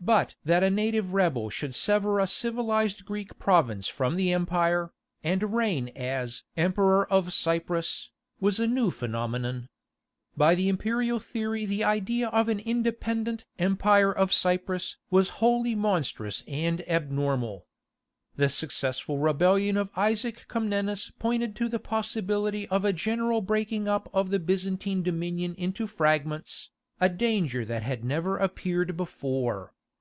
But that a native rebel should sever a civilized Greek province from the empire, and reign as "Emperor of Cyprus," was a new phenomenon. By the imperial theory the idea of an independent "Empire of Cyprus" was wholly monstrous and abnormal. The successful rebellion of Isaac Comnenus pointed to the possibility of a general breaking up of the Byzantine dominion into fragments, a danger that had never appeared before.